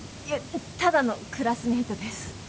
いやただのクラスメートです。